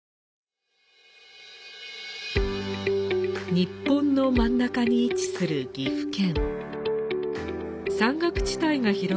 日本の真ん中に位置する岐阜県。